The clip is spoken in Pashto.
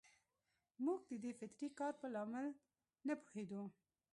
موږ د دې فطري کار په لامل نه پوهېدو.